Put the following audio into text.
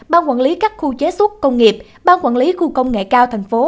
ban quản lý các khu chế xuất công nghiệp ban quản lý khu công nghệ cao thành phố